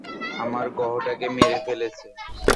আমরা গ্রহটাকে মেরে ফেলেছি!